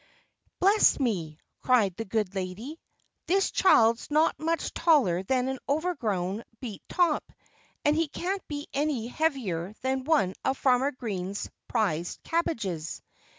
"Bless me!" cried the good lady. "This child's not much taller than an overgrown beet top and he can't be any heavier than one of Farmer Green's prize cabbages.